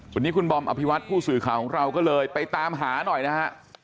วันนี้คุณบอมอภิวัตผู้สื่อข่าวของเราก็เลยไปตามหาหน่อยนะฮะ